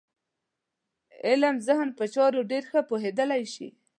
علم ذهن په چارو ډېر ښه پوهېدلی شي.